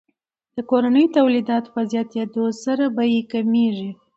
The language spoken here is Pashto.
د کورنیو تولیداتو په زیاتیدو سره بیې کمیږي.